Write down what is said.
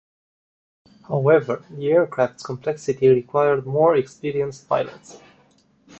However, the aircraft's complexity required more experienced pilots.